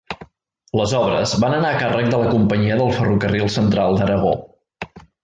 Les obres van anar a càrrec de la Companyia del Ferrocarril Central d'Aragó.